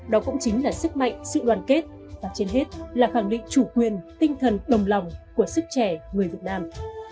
đó cũng chính là sức mạnh sự đoàn kết và trên hết là khẳng định chủ quyền tinh thần đồng lòng của sức trẻ người việt nam